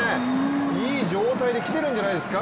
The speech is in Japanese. いい状態できているんじゃないですか？